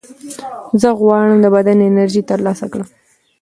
زه غواړم د بدن انرژي ترلاسه کړم.